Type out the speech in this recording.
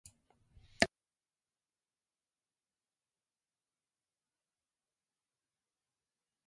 一度失敗して二度と立ち上がれないたとえ。「蹶」はつまずく意。